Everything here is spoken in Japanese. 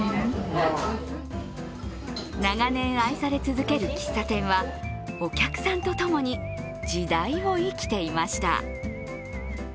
長年愛され続ける喫茶店はお客さんとともに時代を生きていました。